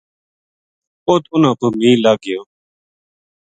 اُت اِنھ پو مییہ لگ گیو